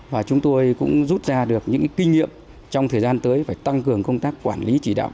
và chúng tôi cũng rút ra được những kinh nghiệm trong thời gian tới phải tăng cường công tác quản lý chỉ đạo